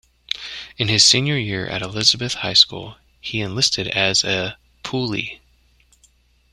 In his senior year at Elizabeth High School, he enlisted as a "poolee".